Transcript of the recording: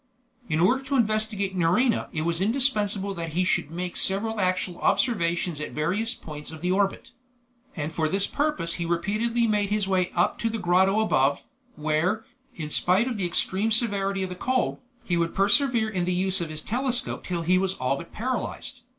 In order to investigate Nerina it was indispensable that he should make several actual observations at various points of the orbit; and for this purpose he repeatedly made his way up to the grotto above, where, in spite of the extreme severity of the cold, he would persevere in the use of his telescope till he was all but paralyzed.